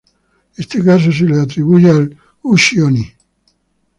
Este caso se le atribuye al ushi-oni.